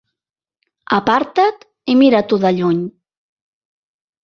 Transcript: Aparta't i mira-t'ho de lluny.